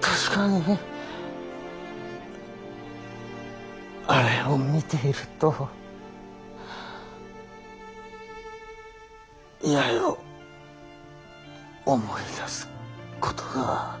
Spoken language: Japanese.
確かにあれを見ていると八重を思い出すことが。